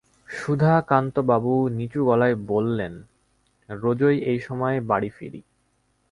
সুধাকান্তবাবু নিচু গলায় বললেন, রোজই এই সময়ে বাড়ি ফিরি।